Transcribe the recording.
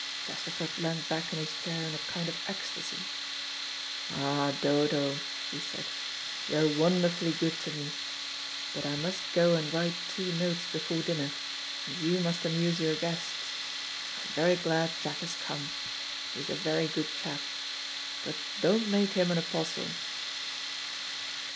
Chesterford leant back in his chair in a kind of ecstasy. "Ah, Dodo," he said, "you are wonderfully good to me. But I must go and write two notes before dinner; and you must amuse your guests. I am very glad Jack has come. He is a very good chap. But don't make him an apostle."